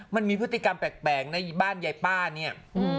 มันมีพฤติกรรมแปลกในบ้านยายป้าเนี่ย